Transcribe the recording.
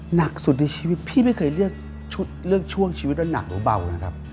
หนักสุดในชีวิตพี่ไม่เคยเลือกชุดเลือกช่วงชีวิตว่าหนักหรือเบานะครับ